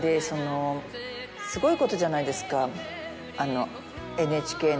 すごいことじゃないですか。